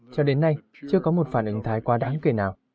cho đến nay chưa có một phản ứng thái quá đáng kể nào